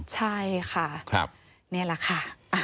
ใช่ค่ะนี่แหละค่ะ